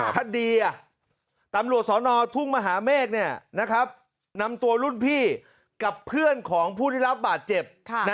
คดีตำรวจสอนอทุ่งมหาเมฆนำตัวรุ่นพี่กับเพื่อนของผู้ได้รับบาดเจ็บ